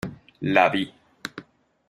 la vi.